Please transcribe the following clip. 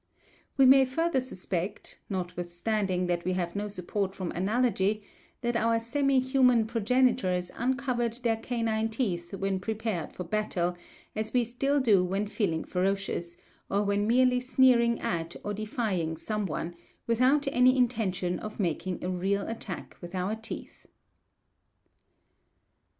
We may further suspect, notwithstanding that we have no support from analogy, that our semi human progenitors uncovered their canine teeth when prepared for battle, as we still do when feeling ferocious, or when merely sneering at or defying some one, without any intention of making a real attack with our teeth.